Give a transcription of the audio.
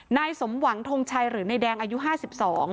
นายสมหวังทงชัยหรือนายแดงอายุห้าสิบสอง